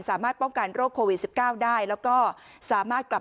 สามารถป้องกันโรคโควิด๑๙ได้แล้วก็สามารถกลับ